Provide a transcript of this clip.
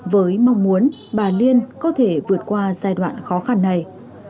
với mong muốn bà liên có thể vượt qua giai đoạn khó khăn này